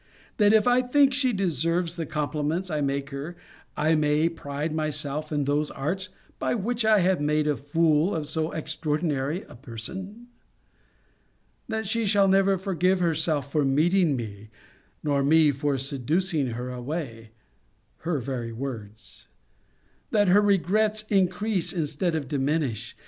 That if I think she deserves the compliments I make her, I may pride myself in those arts, by which I have made a fool of so extraordinary a person? That she shall never forgive herself for meeting me, nor me for seducing her away?' [Her very words.] 'That her regrets increase instead of diminish?